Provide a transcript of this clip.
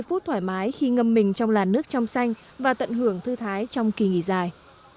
năm phút thoải mái khi ngâm mình trong làn nước trong xanh và tận hưởng thư thái trong kỳ nghỉ dài